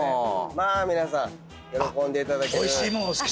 まあ皆さん喜んでいただける。